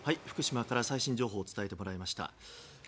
福島から最新情報を伝えてもらいました。